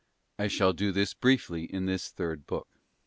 I shall do this briefly in this third book.